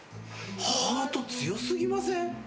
ハート強すぎません？